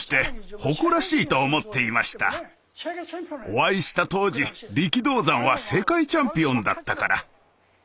お会いした当時力道山は世界チャンピオンだったから。